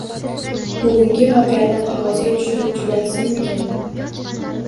Bugungi voqeani qog`ozga tushirib jo`natsinmikin